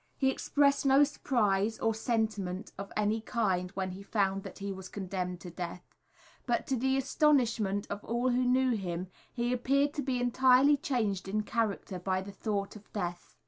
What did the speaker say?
He expressed no surprise or sentiment of any kind when he found that he was condemned to death, but to the astonishment of all who knew him, he appeared to be entirely changed in character by the thought of death.